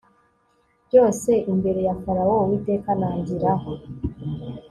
byose imbere ya farawo uwiteka anangira